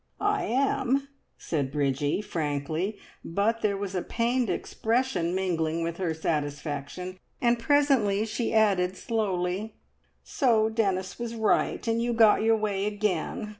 "I am," said Bridgie frankly; but there was a pained expression mingling with her satisfaction, and presently she added slowly, "So Dennis was right, and you got your way again.